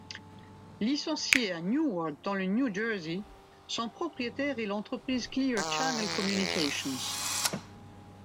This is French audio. Licencée à Newark dans le New Jersey, son propriétaire est l'entreprise Clear Channel Communications.